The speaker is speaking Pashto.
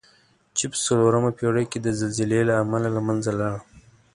چې په څلورمه پېړۍ کې د زلزلې له امله له منځه لاړه.